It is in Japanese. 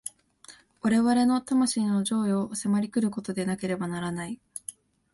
我々の魂の譲与を迫り来ることでなければならない。